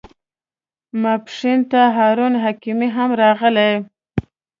ماپښین ته هارون حکیمي هم راغی.